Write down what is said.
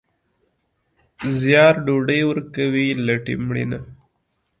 زیار ډوډۍ ورکوي، لټي مړینه.